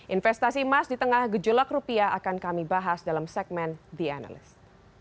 investasi emas di tengah gejolak rupiah akan kami bahas dalam segmen the analyst